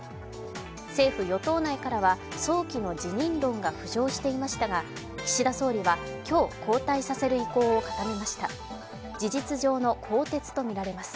政府・与党内からは早期の辞任論が浮上していましたが岸田総理は今日、交代させる意向を固めました。